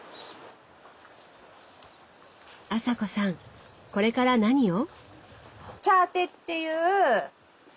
麻子さんこれから何を？